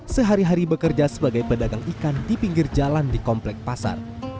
sehari hari bekerja sebagai pedagang ikan di pinggir jalan di komplek pasar